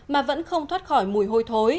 mà vẫn không thoát khỏi mùi hôi thối